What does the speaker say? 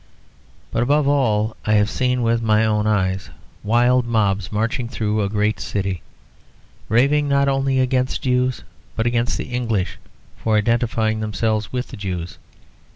But, above all, I have seen with my own eyes wild mobs marching through a great city, raving not only against Jews, but against the English for identifying themselves with the Jews.